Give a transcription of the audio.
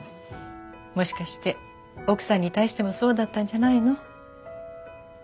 もしかして奥さんに対してもそうだったんじゃないの？